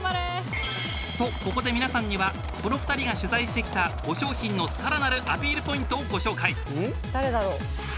とここで皆さんにはこの２人が取材してきた５商品の更なるアピールポイントをご紹介誰だろう？